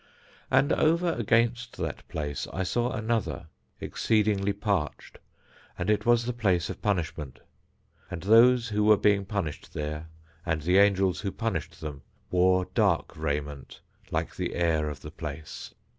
And over against that place I saw another, exceedingly parched, and it was the place of punishment. And those who were being punished there and the angels who punished them wore dark raiment like the air of the place.